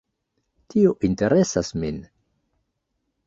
Tio interesas min.